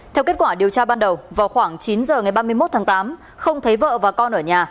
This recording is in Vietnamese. theo kết quả điều tra ban đầu vào khoảng chín giờ ngày ba mươi một tháng tám không thấy vợ và con ở nhà